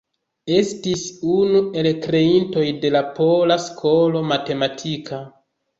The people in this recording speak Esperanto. Estis unu el kreintoj de la pola skolo matematika.